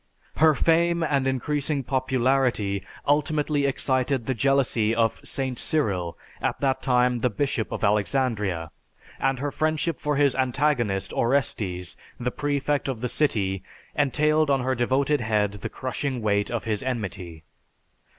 Her fame and increasing popularity ultimately excited the jealousy of St. Cyril, at that time the Bishop of Alexandria, and her friendship for his antagonist, Orestes, the prefect of the city, entailed on her devoted head the crushing weight of his enmity.